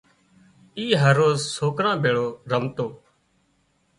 اي هروز سوڪران ڀيۯو رمتو